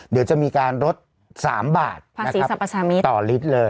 เดี๋ยวจะมีการลด๓บาทต่อลิตรเลย